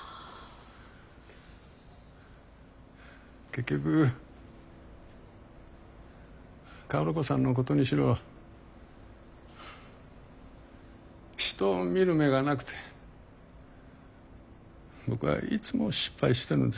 結局薫子さんのことにしろ人を見る目がなくて僕はいつも失敗してるんです。